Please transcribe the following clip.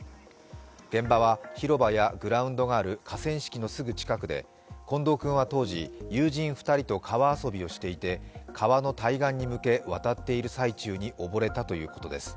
現場は広場やグラウンドがある河川敷のすぐ近くで近藤君は当時、友人２人と川遊びをしていて川の対岸に向け渡っている最中に溺れたということです。